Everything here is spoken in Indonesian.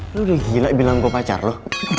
lu udah gila bilang gua pacar lu